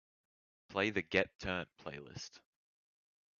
Play the Get Turnt playlist.